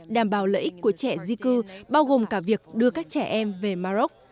đảm bảo lợi ích của trẻ di cư bao gồm cả việc đưa các trẻ em về maroc